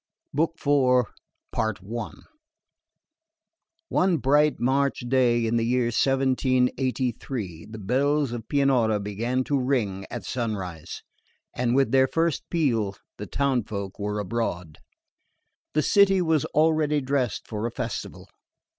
4.1. One bright March day in the year 1783 the bells of Pianura began to ring at sunrise, and with their first peal the townsfolk were abroad. The city was already dressed for a festival.